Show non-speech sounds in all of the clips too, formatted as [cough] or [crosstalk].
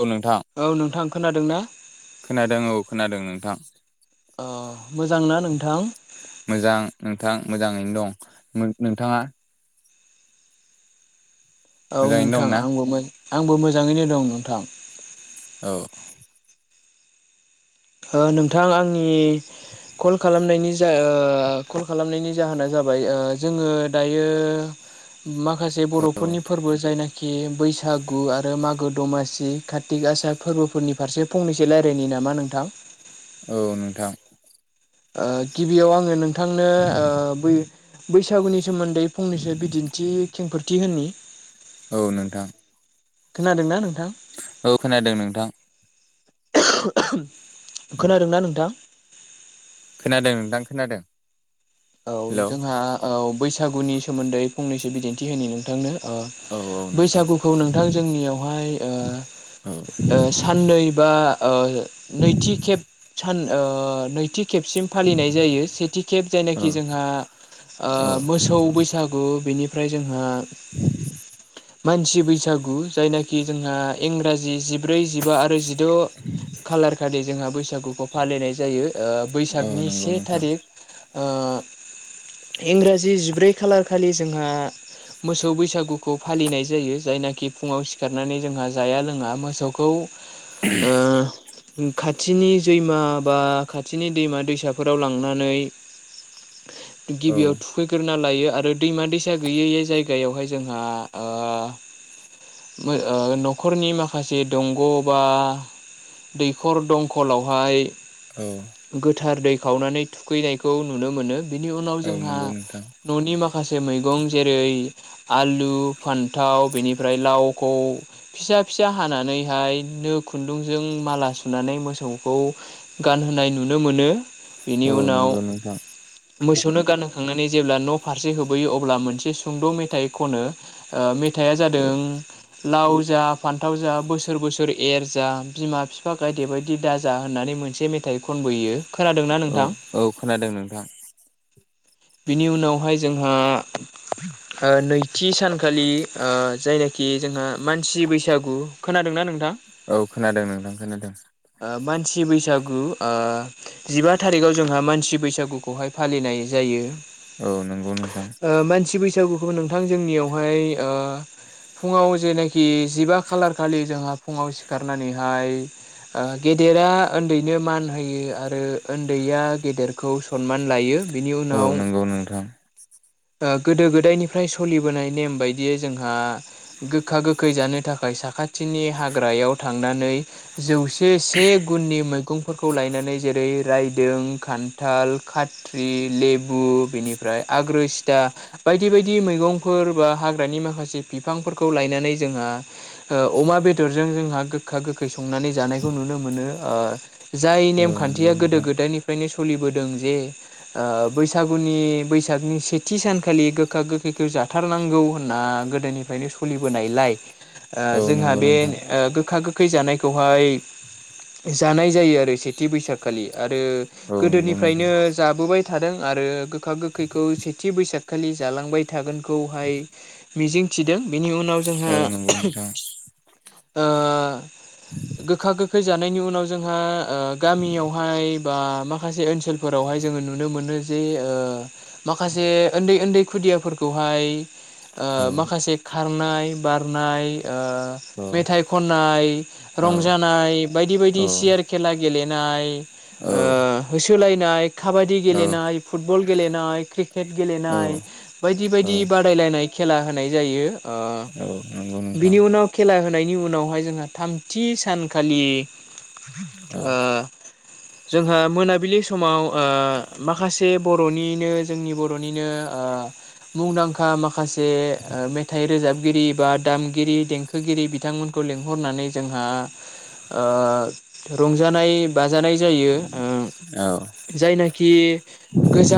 औ नोंथां औ नोंथां खोनादोंना खोनादों औ खोनादों नोंथां। अह मोजांना नोंथां? मोजां नोंथां मोजाङैनो दं। नों- नोंथाङा? औ मोजाङैनो नोंथां दंना आंबो आंबो मो-मोजाङैनो दं नोंथां। औ ओ नोंथां आंनि कल खालामनायनि जा ओ कल खालामनायनि जाहोना जाबाय ओ जोङो दायो माखासे औ बरफोरनि फोरबो जायनाखि बैसागु आरो मागो दमासि काति गासा फोरबोफोरनि फारसे फंनैसो रायलायनि नामा नोंथां औ नोंथां ओ गिबियाव आङो नोंथांनो ओ बै बैसागुनि सोमोन्दै फंनैसो बिदिन्थि खेंफोरथि होननि औ नोंथां खोनादों ना नोंथां औ खोनादों नोंथां खोनादोंना नोंथां खोनादों नोंथां खोनादों औ हेलौ जोंहा औ बैसागुनि सोमोन्दै फंनैसो बिदिन्थि होनि नोंथांनो ओ औ औ नोंथां बैसागुखौ नोंथां जोंनियावहाय ओ औ ओ‌ साननै बा ओ नैथि खेब सान ओ नैथि खेबसिम फालिनाय जायो सेथि खेब जायनाखि औ खि जोंहा औ ओ मोसौ बैसागु बेनिफ्राय जोंहा मानसि बैसागु जायनाखि जोंहा इंराजि जिब ब्रै जिबा आरो जिद खालार खालि जोंहा बैसागुखौ फालिनाय जायो ओ औ बैसागनि नंगौ से नोंथां थारिख ओ इंराजि जिब्रै खालार खालि जोंहा मोसौ बैसागुखौ फालिनाय जायो जायनाखि फुङाव सिखारनानै जोंहा जाया लों आ मोसौखौ ओ खाथिनि जैमा बा खाथिनि दैमा दैसाफोराव लांनानै औ गिबियाव थुखैग्रोना ना लायो आरो दैमा दैसा गैयै जायगायावहाय जोंहा ओ ओ नखरनि माखासे दंग बा दैखर दंखलावहाय औ गोथार दै खावनानै थुखैनायखौ नुनो मोनो बिनि उनाव औ जोंहा नंगौ नोंथां ननि माखासे मैगं जेरै आलु फान्थाव बेनिफ्राय लावखौ फिसा फिसा हानानैहाय बिदिनो खुन्दुंजों माला सुनानै मोसौखौ गानहोनाय नुनो मोनो बेनि औ उनाव नंगौ नोंथां मोसौनो गानहोखांनानै जेब्ला न फारसे होबोयो अब्ला मोनसे सुंद मेथाइ खनो ओ मेथ थाया जादों लाव जा फान्थाव जा बोसोर बोसोर एर जा बिमा बिफा गायदे बायदि दाजा होननानै मोनसे मेथाइ खनबोयो खोनादोंना औ नोंथां? औ खोनादों नोंथां बिनि उनावहाय जोंहा ओ नैथि सानखालि जायनाखि जोंहा मानसि बैसागु खोनादोंना नोंथां औ खोनादों नोंथां खोनादों ओ मानसि बैसागु जिबा थारिखआव जोंहा मानसि बैसागुखौहाय फालिनाय जायो औ नंगौ नोंथां मानसि बैसागुखौ नोंथां जोंनियावहाय फुङाव जेनाखि जिबा खालार खालि जोंहा फुङाव सिखारनानैहाय गेदेरा उन्दैनो मान होयो आरो उन्दैया गेदेरखौ सनमान लायो बिनि औ उनाव नंगौ नोंथां गोदो गोदायनिफ्राय सोलिबोनाय नेम बायदियै जोंहा गोखा गोखै जानो थाखाय साखाथिनि हाग्रायाव थांनानै जौसि से गुननि मैगंफोरखौ लायनानै जेरै रायदों, खान्थाल, खाथ्रि, लेबु बेनिफ्राय आग्रो सिथा बायदि बायदि मैगंफोर बा हाग्रानि माखासे बिफांफोरखौ लायनो नानै जोंहा‌ ओ अमा बेदरजों जोंहा गोखा गोखै संनानै जानायखौ नुनो मोनो ओ जाय औ नंगौ नेमखान्थिया गोदो नोंथां गोदायनिफ्रायनो सोलिबोदों जे ओ बैसागु गुनि बैसागनि सेथि सानखालि गोखा गोखैखौ जाथारनांगौ होनना गोदोनि नो सोलिबोनायलाय ओ औ जोंहा नंगौ बे नोंथां गोखा गोखा खै जानायखौहाय जानाय जायो आरो एसे थि बैसागखालि आरो औ नंगौ नोंथां गोदोनिफ्रायनो जाबोबाय थादों आरो गोखा गोखैखौ सेथि बैसागखालि जालांबाय थागोनखौहाय मिजिंथिदों बिनि उनाव औ जोंहा नंगौ नोंथां ओ गोखा गोख खै जानायनि उनाव जोंहा ओ गामियावहाय बा माखासे ओनसोलफोरावहाय जोङो नुनो मोनो आरो जे ओ माखासे उन्दै उन्दै खुदियाफोरखौहाय ओ औ माखसे खारनाय बारनाय ओ औ मेथाइ खननाय औ रंजानाय बायदि बायदि सियार खेला गेलेना औ होसोलायनाय ओ काबादि औ गेलेनाय फुटबल गेलेनाय, क्रिकेट गेलेनाय बायदि बायदि बादायलायनाय खेला होनाय जायो। औ नंगौ ओ नोंथां बिनि उनाव खेला हो नायनि उनावहाय जोंहा थामथि सानखालि औ ओ जोंहा मोनाबिलि समाव ओ माखासे बर'निनो जोंनि बर'निनो ओ मुंदांखा माखासे ओ मेथाइ रोजाबगिरि बा दामगिरि देंखोगिरि बिथांमोन लेंहरनानै जोंहा ओ रंजानाय बा जानाय जायो ओ औ जायनाखि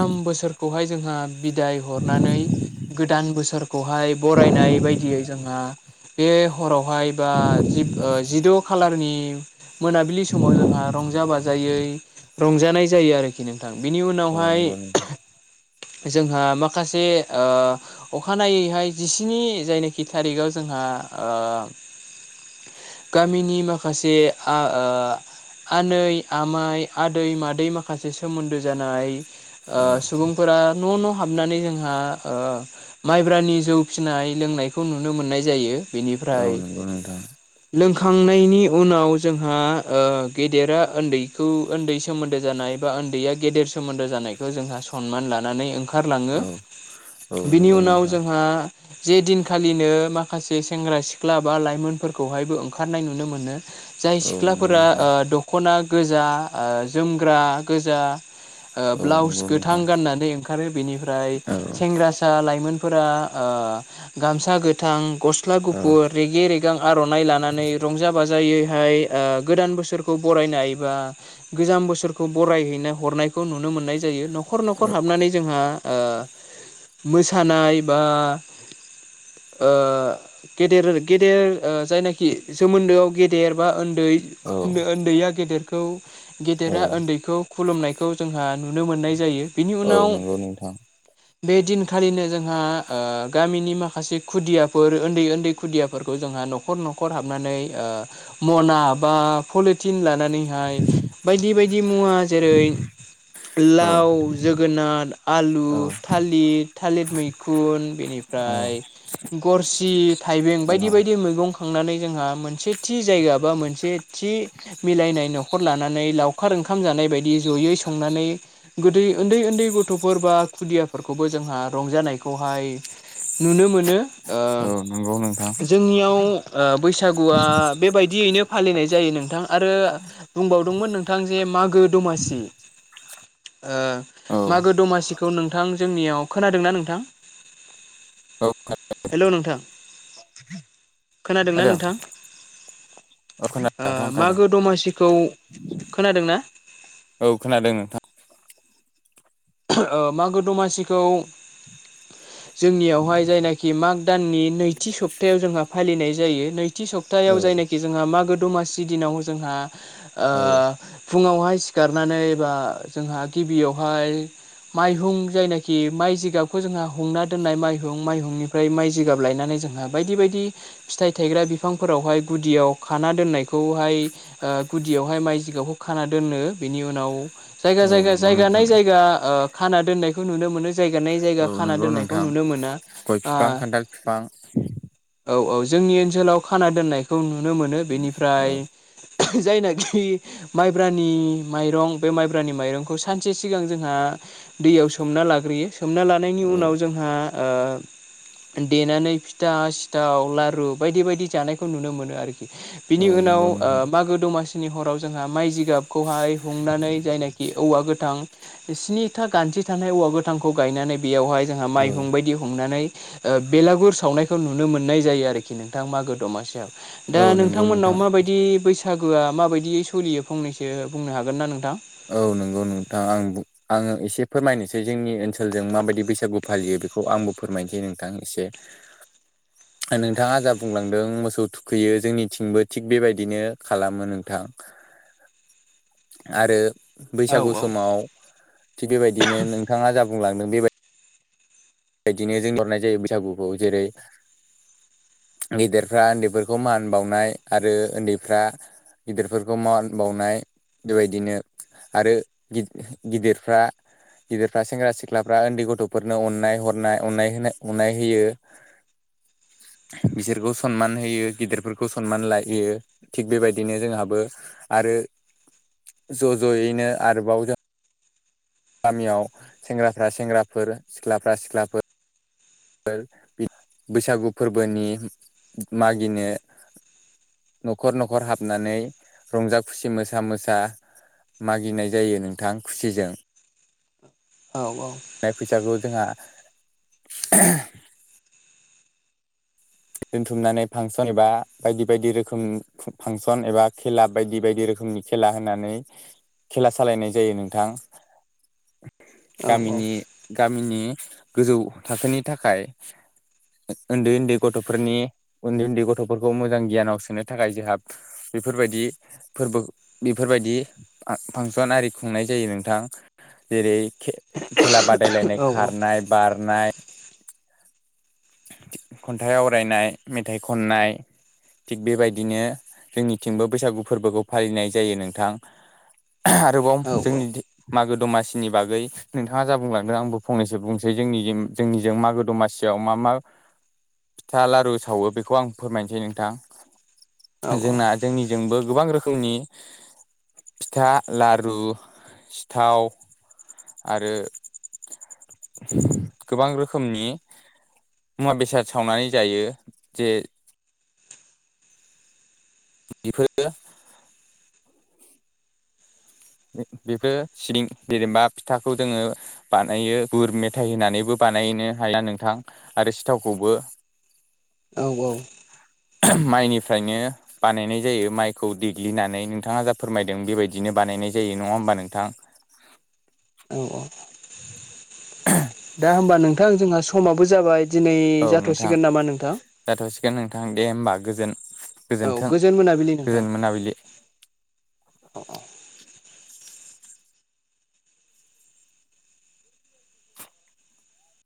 गाम बोसोरखौहाय जोंहा बिदाय हरनानै गोदान बोसोर खौहाय बरायनाय बायदियै जोंहा बे हराव हाय बा जि जिद' खाालारनि मोनाबिलि समाव जोंहा रंजा बाजायै रंजानाय जायो आरोखि नोंथां बेनि उ औ नंगौ नोंथां जोंहा माखासे ओ अखानायैहाय जिस्नि जायनाखि थारिखआव जोंहा ओ गामिनि माखासे ओ आनै आमाय आदै मादै माखासे सोमोन्दो जानाय ओ औ सुबुंफोरा न' न' हाबनानै जोंहा ओ माइब्रानि जौ फिसिनाय लोंनायखौ नुनो मोननाय जायो। औ बेनिफ्राय नंगौ नोंथां लों खांनायनि उनाव जोंहा ओ गेदेरा उन्दैखौ उन्दै सोमोन्दो जानाय बा उन्दैया गेदेर सोमोनदो जानायखौ जोंहा सनमान लानानै ओंखारलाङो। औ औ बिनि नंगौ उनाव नोंथां जोंहा जे दिनखालिनो माखासे सेंग्रा सिख्ला बा लाइमोनफोरखौहायबो ओंखारनाय नुनो मोनो। जाय औ नंगौ सिख्लाफोरा नोंथां ओ दख'ना गोजा ओ जोमग्रा गोजा ओ औ ब्लाउस नंगौ गोथां नोंथां गाननानै ओंखारो बेनिफ्राय औ सेंग्रासा लाइमोन फोरा ओ गामसा गोथां गस्ला औ गुफुर रेगे रे गां आर'नाइ लानानै रंजा बाजायैहाय गोदान बोसोरखौ बरायनाय एबा गोजाम बोसोरखौ बरायहैनो हरनायखौ नुनो मोननाय जायो न'खर न'खर हाबनानै जोंहा ओ मोसानाय बा ओ गेदेर गेदेर ओ जायनाखि सोमोन्दोआव गेदेर बा ओन दै औ उन्दै आ गेदेरखौ औ गेदेरा उन्दैखौ खुलुमनाय जोंहा नुनो मोननाय जायो औ उनाव नंगौ नोंथां। बे दिनखालिनो जोंहा ओ गामिनि माखासे खुदियाफोर ओन्दै ओन्दै खुदियाफोरखौ जों न'खर न'खर हाबनानै ओ म'ना बा फलिट थिन लानानैहाय बायदि बायदि मुवा जेरै औ लाव, जोगोनार, आलु, औ थालिर, थालिर मैखुन औ बेनिफ्राय फ्राय गरसि, थाइबेंबायदि बायदि मैगं खांनानै जोंहा मोनसे थि जायगा बा मोनसे थि मिलायनाय न'खर लानानै लावखार ओंखाम जानाय बायदि जयै संनानै गोदै उन्दै उन्दै गथ'फोर बा खुदियाफोरखौबो जोंहा रंजानायखौहाय नुनो मोनो ओ नंगौ नोंथां जोंनियाव ओ बैसागुआ बेबायदियैनो फालिनाय जायो नोंथां। आरो बुंबावदोंमोन नोंथां जे मागो दमासि ओ औ मागो दमासिखौ नोंथां जोंनियाव खोनादोंना नोंथां? हेलौ नोंथां खोनादोंना नोंथां? ओ खोनादों मागो दमासिखौ खोनादों ना? औ खोनादों नोंथां। [unintelligible] ओ मागो दमासिखौ जोंनियावहाय जायनाखि माग दाननि नैथि सप्तायाव जोंहा फालिनाय जायो नै थि सप्तायाव खोनादों जायनाखि जोंहा मागो दमासि दिनाव जोंहा ओ औ खोनादों नोंथां औ फुङावहाय सिखारनानै बा जोंहा गिबियावहाय माइहुं जायनाखि माइ जिगाबखौ जोंहा हुंना दोननाय माइहुं माइहुंनिफ्राय माइ जिगाब लाय नानै जोंहा बायदि बायदि फिथाइ थायग्रा बिफांफोरावहाय गुदियाव खाना दोननायखौहाय ओ गुदियावहाय माइ जिगाबखौ खाना दोनो बिनि उनाव जायगा औ जायगा नंगौ जायगा नाय नोंथां जायगा ओ खाना दोननायखौ नुनो मोनो। जाइगानाइ जाइगा औ खाना नंगौ दनायखौ नोंथां नुनो मोना गय आ बिफां खान्थाल बिफां औ औ। जोंनि ओनसोलाव खाना दोननायखौ नुनो मोनो बेनिफ्राय औ [unintelligible] जायनाखि माइब्रानि माइरं' बे माइब्रानि माइरं'खौ सानसे सिगां जोंहा दैयाव सोमना लाग्रोयो सोमना लानायनि औ उनाव जोंहा ओ देनानै फिथा, सिथाव, लारु बायदि बायदि जानायखौ नुनो मोनो आरोखि। औ बिनि उनाव नंगौ नोंथां ओ मागो दमासिनि हराव जोंहा माइ जि गाबखौहाय हुंनानै जायनाखि औवा गोथां बिसिनि खोथा गान्थि थानाय औवा गोथांखौ गायनानै बेयावहाय जोंहा औ माइहुं बायदि हुंनानै ओ बेलागुर सावनायखौ नुनो मोननाय जायो आरोखि नोंथां मागो दमासियाव। दा औ नंगौ नोंथांमोननाव नोंथां माबायदि बैसागु बैसागोआ माबायदियै सलियो फंनैसो बुंनो हागोन ना नोंथां? औ नंगौ नोंथां आं बुं आङो एसे फोरमायनोसै जोंनि ओनसोलजों माबायदि बैसागु फालियो बेखौ आंबो फोरमायनोसै नोंथां एसे। नोंथाङा जा बुंलांदों मोसौ थुखैयो जोंनिथिंबो थिग बेबायदिनो खालामो नोंथां। [unintelligible] आरो औ बैसागु औ समाव थिग बेबायदिनो नोंथाङा जा बुंलांदों बेबाय बायदिनो जों हरनाय जायो बैसागुखौ जेरै गेदेरफ्रा उन्दैफोरखौ मान बावनाय आरो ओन्दैफ्रा गिदिरफोरखौ मान बावनाय बेबायदिनो आरो गिद गिदिरफ्रा गिदिरफ्रा सेंग्रा सिख्लाफ्रा उन्दै गथ'फोरनो अननाय हर नाय अनाय होनाय अनाय होयो ‌। [inaudible] बिसोरखौ सनमान होयो गिदिरफोरखौ सनमान लायो थिग बेबायदिनो जोंहाबो आरो आरो ज' ज'यैनो आरोबाव जों। गामियाव सेंग्राफ्रा सेंग्राफोर सिख्लाफ्रा सिख्लाफोर बैसागु फोरबोनि मागिनो न'खर न'खर हाबनानै रंजा खुसि मोसा मोसा मागिनाय जायो नोंथां खुसिजों औ फैसाखौ जोंहा। दोनथुमनानै फांसन एबा बायदि बायदि रोखोम फांसन एबा खेला बायदि बायदि रोखोम नि खेला होनानै खेला सालायनाय जायो नोंथां। [inaudible] औ गामिनि गामिनि गोजौ थाखोनि थाखाय उन्दै उन्दै गथ'फोरनि उन्दै उन्दै गथ'फोरखौ मोजां गियानाव सोनो थाखाय जोंहा बेफोरबायदि फोरबो बेफोरबायदि फांसन आरि खुंनाय जायो नोंथां जेरै खे खेला बादायलायनाय औ खारनाय बारनाय। खन्थाइ आवरायनाय मेथाइ खननाय थिग बेबायदिनो जोंनिथिंबो बैसागु फोरबोखौ फालिनाय जायो नोंथां आरोबाव औ जोंनि मागो। दमासिनि बागै नोंथाङा जा बुंलांदों आंबो फंनैसो बुंनोसै जोंनि जोंनिजों मागो दमासियाव मा मा फिथा लारु सावो बेखौ आं फोरमायनोसै नोंथां। जोंना जोंनिजोंबो गोबां रोखोमनि फिथा लारु सिथाव आरो। गोबां रोखोमनि। मुवा बेसाद सावनानै जायो जे बेफोरो। बेफोर सिलिं जेनेबा फिथाखौ जोङो बानायो गुर मेथाइ होनानैबो बानाय। बानायनो हाया नोंथां आरो सिथावखौबो औ औ। माइनिफ्रायनो बानायनाय जायो माइखौ देग्लिनानै नोंथाङा जा फोरमायदों बेबायदिनो बानायनाय जायो। जायो नङा होमबा नोंथां। औ औ दा होमबा नोंथां जोंहा समाबो जाबाय दिनै औ नोंथां जाथ'सिगोन नामा नोंथां। जाथ'सिगोन नोंथां दे होमबा गोजोन। औ गोजोनथों गोजोन मोनाबिलि नोंथां गोजोन मोनाबिलि औ औ